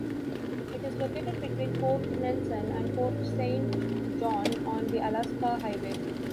It is located between Fort Nelson and Fort Saint John on the Alaska Highway.